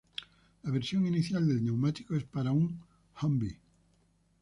La versión inicial del neumático es para un Humvee.